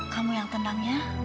kamu yang tenang ya